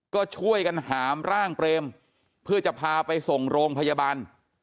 ก็ช่วยกันหามร่างเปรมเพื่อจะพาไปส่งโรงพยาบาล